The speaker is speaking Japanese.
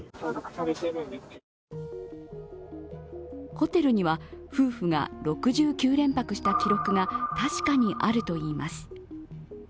ホテルには夫婦が６９連泊した記録が確かにあるといいます。